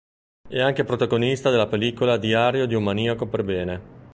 È anche protagonista della pellicola "Diario di un maniaco per bene".